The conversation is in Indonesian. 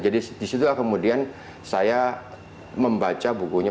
jadi disitu kemudian saya membaca buku buku